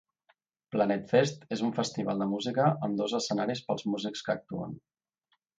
Planetfest és un festival de música amb dos escenaris pels músics que actuen.